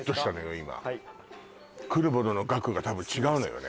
今来るものの額が多分違うのよね